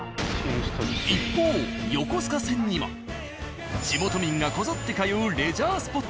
一方横須賀線には地元民がこぞって通うレジャースポットが。